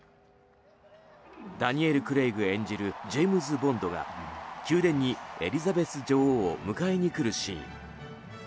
ダニエル・クレイグ演じるジェームズ・ボンドが宮殿にエリザベス女王を迎えに来るシーン。